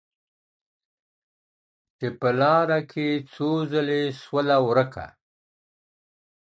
چي په لاره کي څو ځلي سوله ورکه.